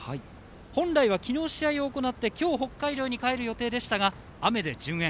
本来は昨日試合を行って今日北海道に帰る予定でしたが雨で順延。